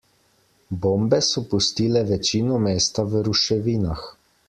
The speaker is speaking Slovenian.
Bombe so pustile večino mesta v ruševinah.